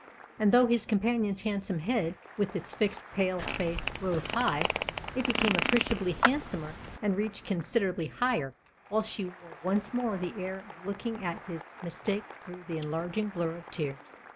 And though his companion's handsome head, with its fixed, pale face, rose high, it became appreciably handsomer and reached considerably higher, while she wore once more the air of looking at his mistake through the enlarging blur of tears.